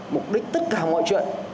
mục đích tất cả mọi chuyện